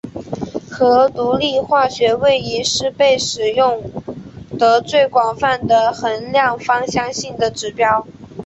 核独立化学位移是被使用得最广泛的衡量芳香性的指标。